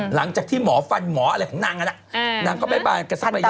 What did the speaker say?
หลังจากที่หมอฟันหมออะไรของนางน่ะนางก็ไปบ้านกันสักระยะหนึ่งแล้ว